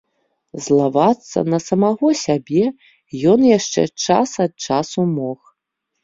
Злавацца на самога сябе ён яшчэ час ад часу мог.